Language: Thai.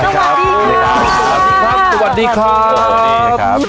สวัสดีครับสวัสดีครับสวัสดีครับสวัสดีครับสวัสดีครับ